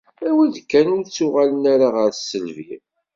Awi-d kan ur ttuɣalen ara ɣer tisselbi.